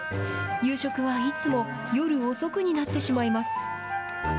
夕食はいつも、夜遅くになってしまいます。